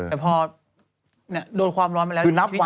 แต่พอโดนความร้อนมาแล้ว